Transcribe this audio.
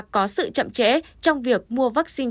có sự chậm trễ trong việc mua vaccine